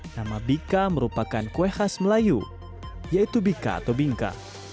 nama bika merupakan kue khas melayu yaitu bika atau bingka